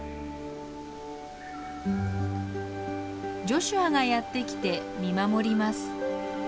ジョシュアがやってきて見守ります。